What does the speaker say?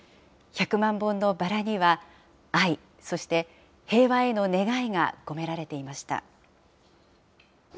百万本のバラには、愛、そして平和への願いが込められていました。